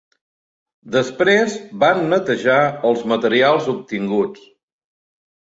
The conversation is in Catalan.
Després van netejar els materials obtinguts.